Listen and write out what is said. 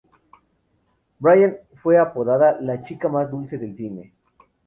Brian fue apodada "La chica más dulce del cine.